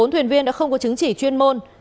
bốn thuyền viên đã không có chứng chỉ chuyên môn